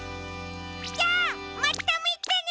じゃあまたみてね！